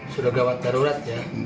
sudah gawat darurat ya